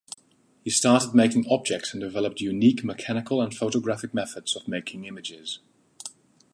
He started making objects and developed unique mechanical and photographic methods of making images.